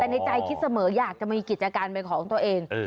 แต่ในใจคิดเสมออยากจะมีกิจการเป็นของตัวเอง